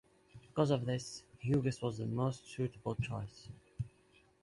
Because of this, Hughes was the most suitable choice.